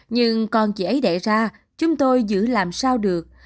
nhưng con chị ấy đẻ ra chúng tôi giữ làm sao được